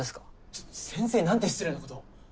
ちょっと先生になんて失礼なことを。